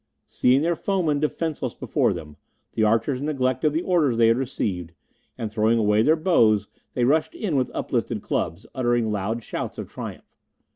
Seeing their foemen defenceless before them, the archers neglected the orders they had received, and throwing away their bows they rushed in with uplifted clubs, uttering loud shouts of triumph.